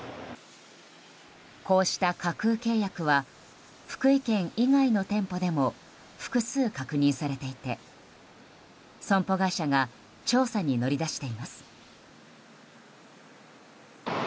こうした架空契約は福井県以外の店舗でも複数確認されていて、損保会社が調査に乗り出しています。